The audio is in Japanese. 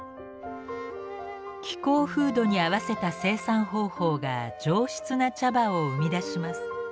気候風土に合わせた生産方法が上質な茶葉を生み出します。